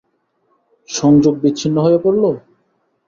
সংযোগ বিচ্ছিন্ন হয়ে পড়লো?